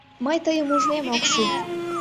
Мый тыйым ужмем ок шу!..